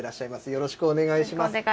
よろしくお願いします。